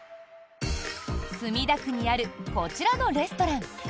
墨田区にあるこちらのレストラン。